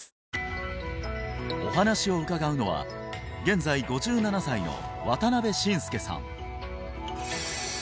お話を伺うのは現在５７歳の渡邉慎介さん